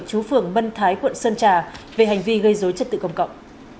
chú phường mân thái quận sơn trà về hành vi gây dối trật tự công cộng